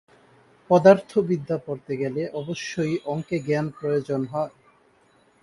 পদার্থবিদ্যা পড়তে গেলে অবশ্যই অঙ্কে জ্ঞানের প্রয়োজন হয়।